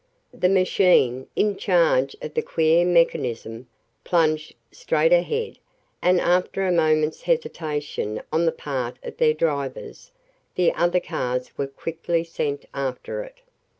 The machine, in charge of the queer mechanician, plunged straight ahead, and after a moment's hesitation on the part of their drivers, the other cars were quickly sent after it.